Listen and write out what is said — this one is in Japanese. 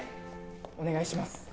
お願いします